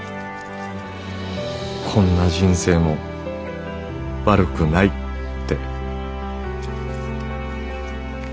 「こんな人生も悪くないって」。